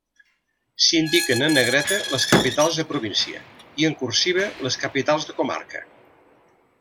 S'indiquen en negreta les capitals de província i en cursiva les capitals de comarca.